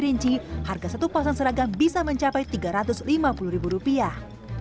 rinci harga satu pasang seragam bisa mencapai tiga ratus lima puluh ribu rupiah